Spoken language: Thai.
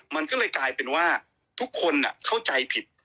มันก็เลยกลายเป็นว่าทุกคนเข้าใจผิด